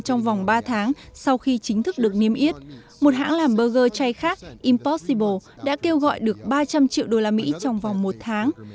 trong vòng ba tháng sau khi chính thức được niêm yết một hãng làm burger chay khác impossible đã kêu gọi được ba trăm linh triệu đô la mỹ trong vòng một tháng